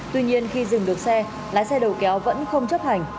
tuy nhiên khi dừng được xe lái xe đầu kéo vẫn không chấp hành